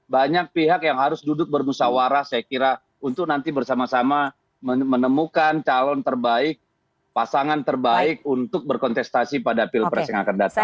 banyak pihak yang harus duduk bermusawarah saya kira untuk nanti bersama sama menemukan calon terbaik pasangan terbaik untuk berkontestasi pada pilpres yang akan datang